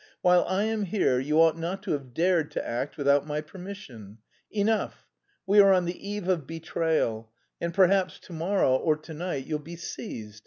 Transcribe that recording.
"While I am here you ought not to have dared to act without my permission. Enough. We are on the eve of betrayal, and perhaps to morrow or to night you'll be seized.